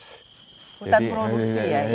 hutan produksi ya ini